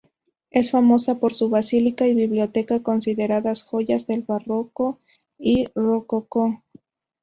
Es famosa por su basílica y biblioteca, consideradas joyas del barroco y rococó.